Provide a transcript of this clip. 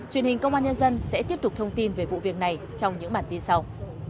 truyền hình công an nhân dân sẽ tiếp tục thông tin về vụ việc này trong những bản tin sau